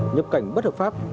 nhập cảnh bất hợp pháp